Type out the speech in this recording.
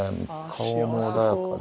顔も穏やかで。